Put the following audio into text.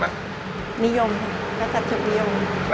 เขานิยมกันแปลกรั้งครับนะ